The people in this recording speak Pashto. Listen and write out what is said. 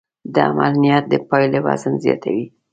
د عمل نیت د پایلې وزن زیاتوي.